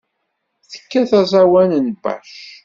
Tekkat aẓawan n Bach.